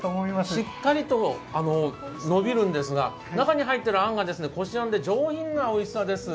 しっかりと伸びるんですが、中にはいっているあんがこしあんで上品なおいしさです。